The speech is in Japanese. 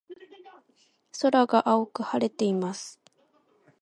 空が青く晴れています。